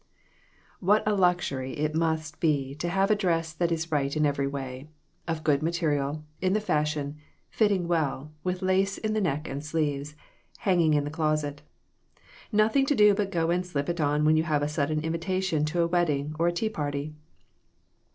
WHAT a luxury it must be to have a dress that is right in every way of good material, in the fashion, fitting well, with lace in the neck and sleeves hanging in the closet; nothing to do but go and slip it on when you have a sudden invitation to a wedding or a tea party